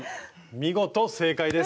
見事正解です！